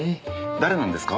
誰なんですか？